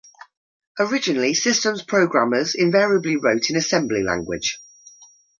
Originally systems programmers invariably wrote in assembly language.